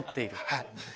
はい。